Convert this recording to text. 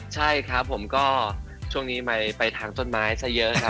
ใช่ครับผมก็ช่วงนี้ไปทางต้นไม้ซะเยอะครับ